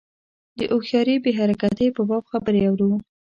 د هوښیاري بې حرکتۍ په باب خبرې اورو.